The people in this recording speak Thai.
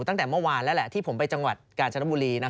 ตั้งแต่เมื่อวานแล้วแหละที่ผมไปจังหวัดกาญจนบุรี